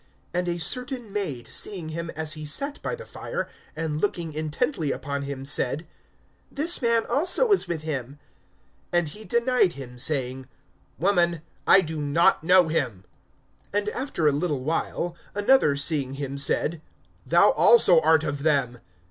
(56)And a certain maid seeing him as he sat by the fire, and looking intently upon him, said: This man also was with him. (57)And he denied him, saying: Woman, I do not know him. (58)And after a little while, another seeing him said: Thou also art of them.